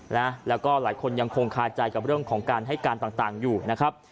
นะแล้วก็หลายคนยังคงคาใจกับเรื่องของการให้การต่างต่างอยู่นะครับ